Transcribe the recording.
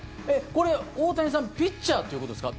これ、大谷さんピッチャーということですか？